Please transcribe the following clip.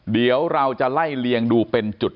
เดี๋ยวเราจะไล่เลียงดูเป็นจุด